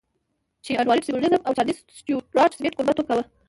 جې اډوارډ سيمونز او چارليس سټيوارټ سميت کوربهتوب کاوه.